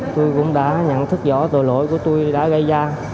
tôi cũng đã nhận thức rõ tội lỗi của tôi đã gây ra